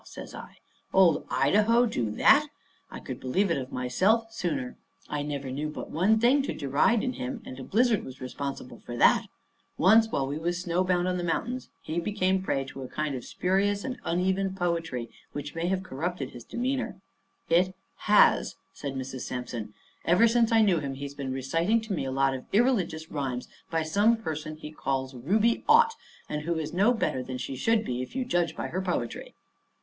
says I. "Old Idaho do that! I could believe it of myself, sooner. I never knew but one thing to deride in him; and a blizzard was responsible for that. Once while we was snow bound in the mountains he became a prey to a kind of spurious and uneven poetry, which may have corrupted his demeanour." "It has," says Mrs. Sampson. "Ever since I knew him he has been reciting to me a lot of irreligious rhymes by some person he calls Ruby Ott, and who is no better than she should be, if you judge by her poetry."